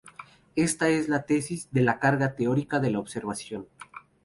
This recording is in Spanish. Esta es la tesis de la carga teórica de la observación.